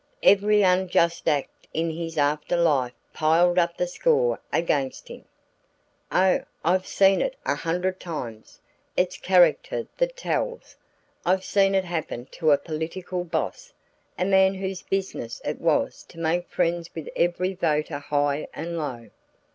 Every unjust act in his after life piled up the score against him. "Oh, I've seen it a hundred times! It's character that tells. I've seen it happen to a political boss a man whose business it was to make friends with every voter high and low.